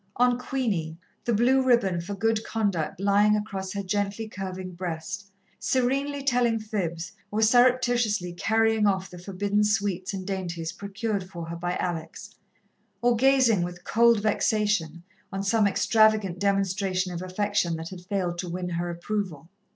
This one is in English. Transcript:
On Queenie, the blue ribbon for good conduct lying across her gently curving breast, serenely telling fibs or surreptitiously carrying off the forbidden sweets and dainties procured for her by Alex, or gazing with cold vexation on some extravagant demonstration of affection that had failed to win her approval.